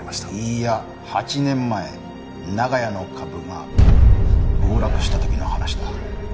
いいや８年前長屋の株が暴落した時の話だ。